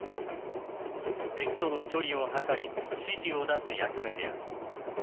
敵との距離を測り指示を出す役目である。